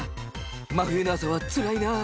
真冬の朝はつらいなあ。